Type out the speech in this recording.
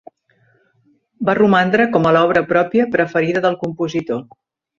Va romandre com a l'obra pròpia preferida del compositor.